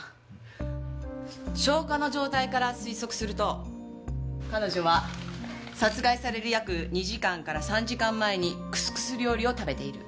消化の状態から推測すると彼女は殺害される約２時間から３時間前にクスクス料理を食べている。